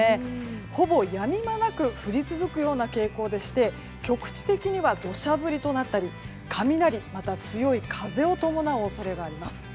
ほぼやみ間なく降り続く傾向でして局地的には土砂降りとなったり雷また強い風を伴う恐れがあります。